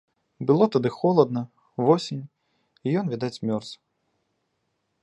Было тады холадна, восень, і ён, відаць, мёрз.